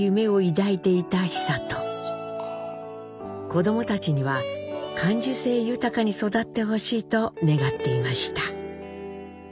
子どもたちには感受性豊かに育ってほしいと願っていました。